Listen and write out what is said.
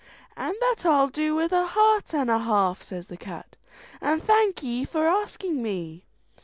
"And that I'll do with a heart and a half," says the cat, "and thank'ee for asking me."'